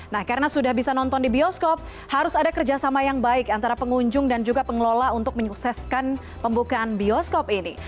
nah karena sudah bisa nonton di bioskop harus ada kerjasama yang baik antara pengunjung dan juga pengelola untuk menyukseskan pembukaan bioskop ini